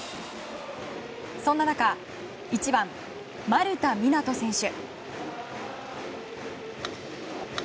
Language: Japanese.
そんな中１番、丸田湊斗選手。